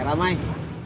makan apa jak